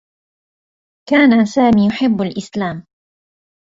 كان سامي يحبّ الإسلام.